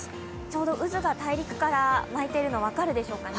ちょうど渦が大陸から巻いているの、分かるでしょうか。